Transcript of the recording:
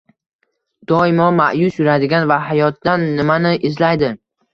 Doimo ma’yus yuradigan va hayotdan nimani izlaydi.